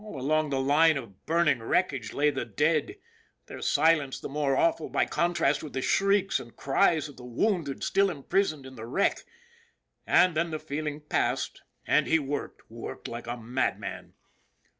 All along the line of burning wreckage lay the dead, their silence the more awful by contrast with the shrieks and cries of the wounded still imprisoned in the wreck. And then the feeling passed and he worked worked like a madman.